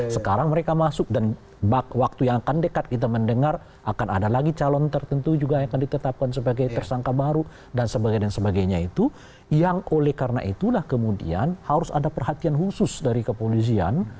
sekarang mereka masuk dan waktu yang akan dekat kita mendengar akan ada lagi calon tertentu juga yang akan ditetapkan sebagai tersangka baru dan sebagainya itu yang oleh karena itulah kemudian harus ada perhatian khusus dari kepolisian